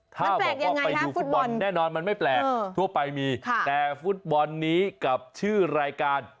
ถ้าบอกว่าไปดูฟุตบอลแน่นอนมันไม่แปลกทั่วไปมีแต่ฟุตบอลนี้กับชื่อรายการ